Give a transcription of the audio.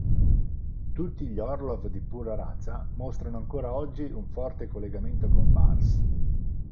Tutti gli Orlov di pura razza mostrano ancora oggi un forte collegamento con Bars.